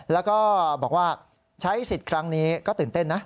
แล้วก็บอกว่าใช้สิทธิ์ครั้งนี้ก็ตื่นเต้นนะ